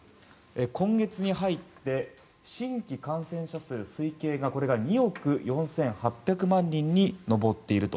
今月に入って新規感染者数推計がこれが２億４８００万人に上っていると。